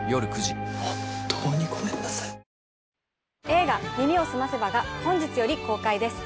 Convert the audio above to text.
映画『耳をすませば』が本日より公開です。